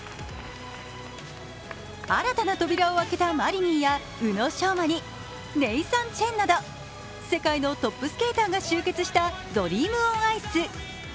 新たな扉を開けたマリニンや宇野昌磨にネイサン・チェンなど世界のトップスケーターが集結したドリーム・オン・アイス。